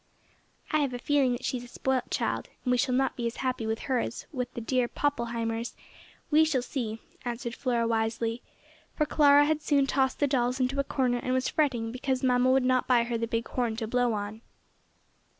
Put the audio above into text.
"I have a feeling that she is a spoilt child, and we shall not be as happy with her as with the dear Poppleheimers. We shall see," answered Flora, wisely, for Clara had soon tossed the dolls into a corner and was fretting because mamma would not buy her the big horn to blow on.